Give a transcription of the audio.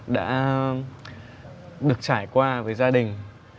đã được trải qua với gia đình